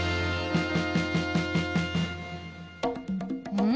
うん？